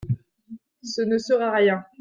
Ce ne sera rien !